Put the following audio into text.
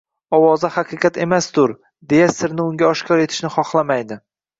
“Ovoza haqiqat emasdur”, deya sirni unga oshkor etishni xohlamaydi.